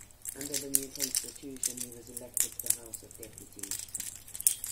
Under the new constitution he was elected to the House of Deputies.